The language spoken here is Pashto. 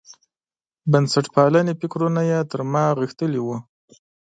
بنسټپالنې فکرونه یې تر ما غښتلي وو.